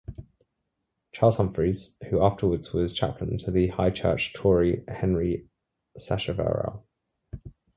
Charles Humphreys, who afterwards was chaplain to the High-Church Tory Henry Sacheverell.